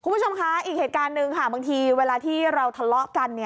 คุณผู้ชมคะอีกเหตุการณ์หนึ่งค่ะบางทีเวลาที่เราทะเลาะกัน